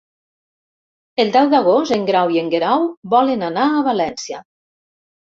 El deu d'agost en Grau i en Guerau volen anar a València.